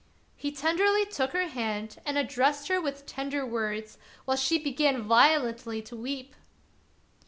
He tenderly took her hand and addressed her with tender words, while she began violently to weep.